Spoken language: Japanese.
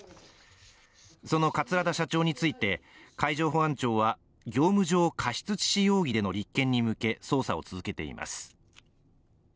その桂田社長について海上保安庁は業務上過失致死容疑での立件に向け、捜査を続けています。